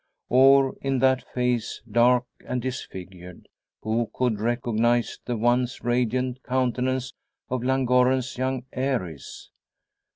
Or in that face, dark and disfigured, who could recognise the once radiant countenance of Llangorren's young heiress?